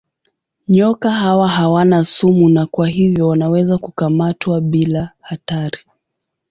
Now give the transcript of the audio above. Nyoka hawa hawana sumu na kwa hivyo wanaweza kukamatwa bila hatari.